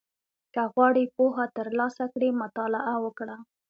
• که غواړې پوهه ترلاسه کړې، مطالعه وکړه.